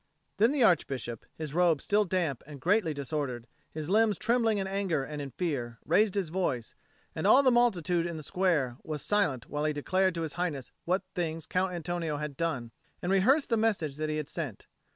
Then the Archbishop, his robes still damp and greatly disordered, his limbs trembling in anger and in fear, raised his voice; and all the multitude in the square was silent while he declared to His Highness what things Count Antonio had done, and rehearsed the message that he had sent.